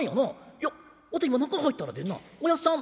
いやわて今中入ったらでんなおやっさん